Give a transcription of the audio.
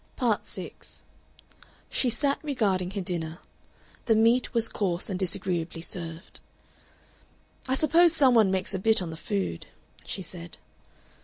Part 6 She sat regarding her dinner. The meat was coarse and disagreeably served. "I suppose some one makes a bit on the food," she said....